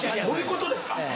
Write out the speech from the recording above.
そういうことですか？